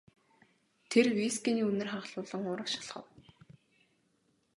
Тэр вискиний үнэр ханхлуулан урагш алхав.